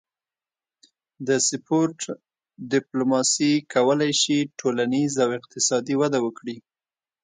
د سپورت ډیپلوماسي کولی شي ټولنیز او اقتصادي وده وکړي